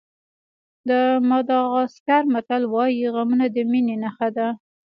د ماداغاسکر متل وایي غمونه د مینې نښه ده.